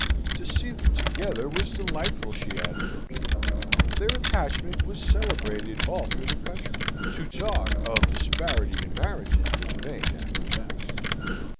To see them together was delightful, she had heard. Their attachment was celebrated all through the country. To talk of disparity in marriages was vain after that.